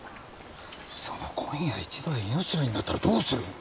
その今夜一度で命取りになったらどうする！？